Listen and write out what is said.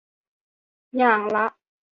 อย่างละ